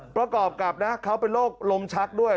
ประกอบกับนะเขาเป็นโรคลมชักด้วย